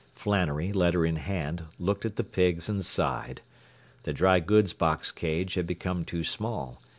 Flannery, letter in hand, looked at the pigs and sighed. The dry goods box cage had become too small.